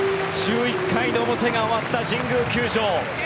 １１回の表が終わった神宮球場。